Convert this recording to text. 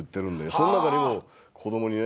その中でも子供にね